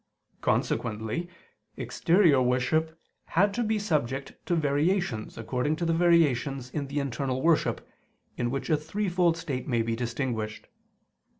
Consequently exterior worship had to be subject to variations according to the variations in the internal worship, in which a threefold state may be distinguished.